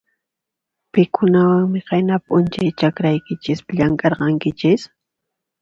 Pikunawanmi qayna p'unchay chakraykichispi llamk'arqanchis?